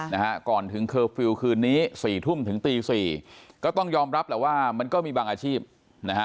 นะฮะก่อนถึงเคอร์ฟิลล์คืนนี้สี่ทุ่มถึงตีสี่ก็ต้องยอมรับแหละว่ามันก็มีบางอาชีพนะฮะ